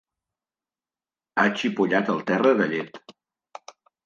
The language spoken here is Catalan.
Ha xipollat el terra de llet.